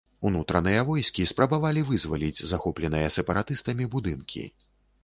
Унутраныя войскі спрабавалі вызваліць захопленыя сепаратыстамі будынкі.